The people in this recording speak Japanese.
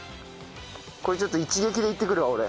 これちょっと一撃でいってくるわ俺。